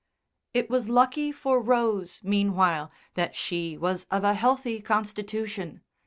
It was lucky for Rose meanwhile that she was of a healthy constitution.